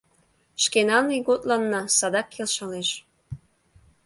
Шкенан ийготланна садак келшалеш...